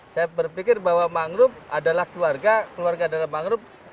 saya berpikir bahwa mangrove adalah keluarga keluarga adalah mangrove